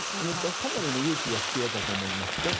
かなりの勇気が必要だったと思います。